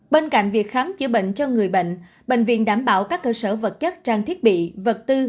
bên cạnh việc khám chữa bệnh cho người bệnh bệnh viện đảm bảo các cơ sở vật chất trang thiết bị vật tư